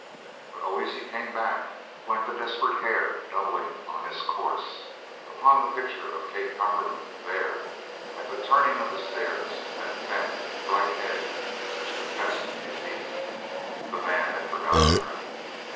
But always he came back, like the desperate hare doubling on his course, upon the picture of Kate Cumberland there at the turning of the stairs, and that bent, bright head which confessed defeat. The man had forgotten her.